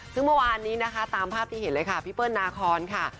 ซึ่งเมื่อวานนี้นะคะตามภาพที่เห็นเลยค่ะพี่เปิ้ลนาคอนค่ะ